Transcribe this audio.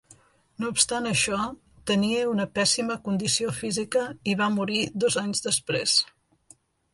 No obstant això, tenia una pèssima condició física i va morir dos anys després.